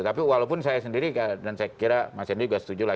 tapi walaupun saya sendiri dan saya kira mas henry juga setuju lah